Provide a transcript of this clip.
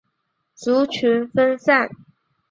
族群分散。